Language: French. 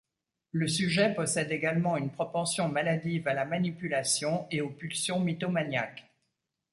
Le sujet possède également une propension maladive à la manipulation et aux pulsions mythomaniaques.